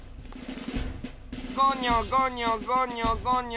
ごにょごにょごにょごにょ。